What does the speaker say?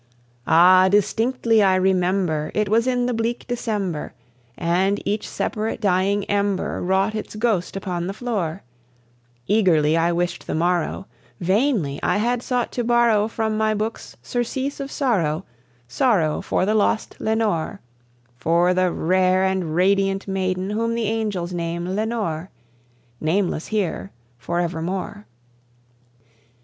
Ah! distinctly I remember, it was in the bleak December, And each separate dying ember wrought its ghost upon the floor; Eagerly I wished the morrow; vainly I had sought to borrow From my books surcease of sorrow sorrow for the lost Lenore For the rare and radiant maiden whom the angels name Lenore Nameless here for evermore.